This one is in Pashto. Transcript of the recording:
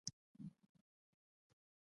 سپي وویل چې زما زړه ځوان دی خو بدن مې زوړ دی.